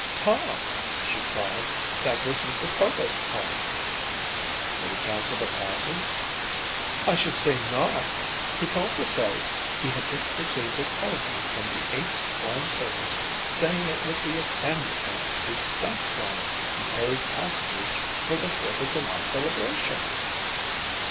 "Tom," she cried, "that was Mr. Provost calling." "Did he cancel the passes?" "I should say not. He called to say he had just received a telegram from the Ace Flying Circus saying it would be at Sandy Point to do stunt flying and carry passengers for the Fourth of July celebration."